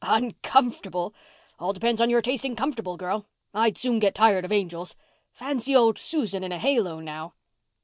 "Uncomfortable? All depends on your taste in comfortable, girl. I'd soon get tired of angels. Fancy old Susan in a halo, now!"